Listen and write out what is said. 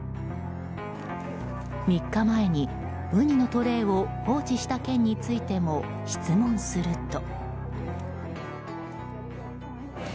３日前にウニのトレーを放置した件についても質問すると。